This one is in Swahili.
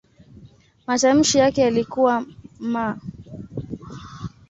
Matamshi yake yalikuwa "m".